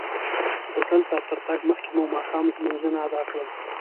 هوټل ته تر تګ مخکې مو ماښام لمونځونه ادا کړل.